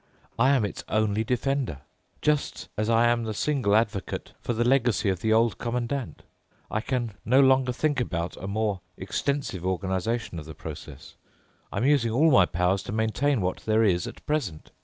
I am its only defender, just as I am the single advocate for the legacy of the Old Commandant. I can no longer think about a more extensive organization of the process—I'm using all my powers to maintain what there is at present.